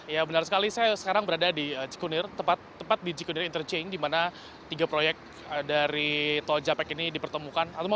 ya benar sekali saya sekarang berada di cikunir tepat di cikunir interchange di mana tiga proyek dari tol japek ini dipertemukan